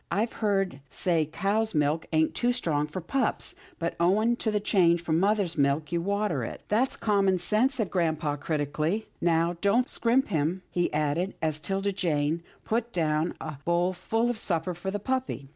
I've heard say cow's milk ain't too strong for pups, but, owing to the change from mother's milk, you water it." " That's common sense," said grampa critically. " Now don't scrimp him," he added, as 'Tilda Jane put down a bowl full of supper for the puppy.